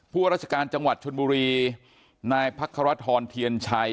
ผู้ราชการจังหวัดชนบุรีนายพักฮรัฐธรทียันชัย